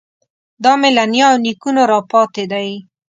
دا مې له نیا او نیکونو راپاتې دی.